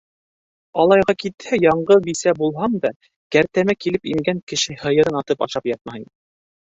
Алайға китһә, яңғыҙ бисә булһам да, кәртәмә килеп ингән кеше һыйырын атып ашап ятмайым!